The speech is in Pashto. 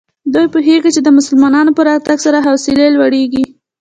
دوی پوهېږي چې د مسلمانانو په راتګ سره حوصلې لوړېږي.